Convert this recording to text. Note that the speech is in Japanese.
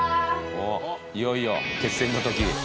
おっいよいよ決戦の時。